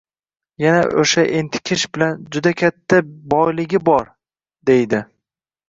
yana o’sha entikish bilan “Juda katta biyligi bor!” deydi.